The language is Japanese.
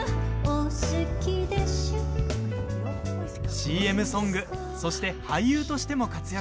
ＣＭソングそして俳優としても活躍。